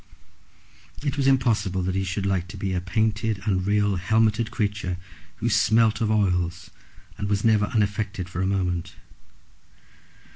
It was impossible that he should like a painted, unreal, helmeted creature, who smelt of oils, and was never unaffected for a moment.